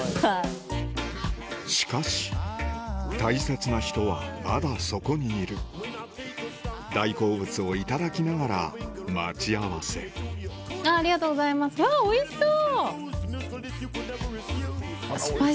しかし大切な人はまだそこにいる大好物をいただきながら待ち合わせありがとうございますうわおいしそう！